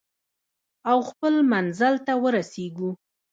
او خپل منزل ته ورسیږو.